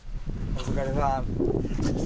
お疲れさまです。